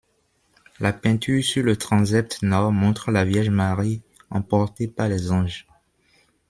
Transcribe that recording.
La peinture sur le transept nord montre la Vierge Marie emportée par les anges.